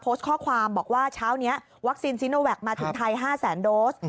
โพสต์ข้อความบอกว่าเช้านี้วัคซีนซีโนแวคมาถึงไทย๕แสนโดส